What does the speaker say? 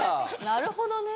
なるほどね。